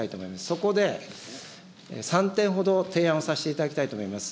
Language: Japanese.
そこで３点ほど提案をさせていただきたいと思います。